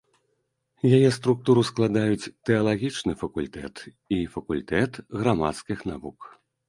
Яе структуру складаюць тэалагічны факультэт і факультэт грамадскіх навук.